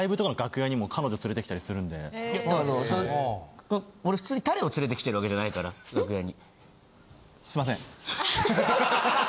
いやそれ俺普通にタレを連れて来てる訳じゃないから楽屋に。